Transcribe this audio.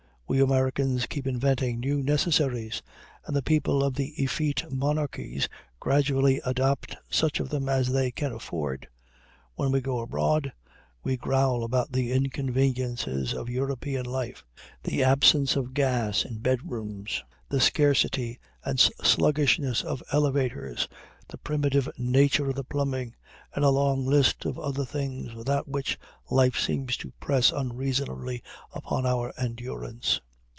We Americans keep inventing new necessaries, and the people of the effete monarchies gradually adopt such of them as they can afford. When we go abroad we growl about the inconveniences of European life the absence of gas in bedrooms, the scarcity and sluggishness of elevators, the primitive nature of the plumbing, and a long list of other things without which life seems to press unreasonably upon our endurance.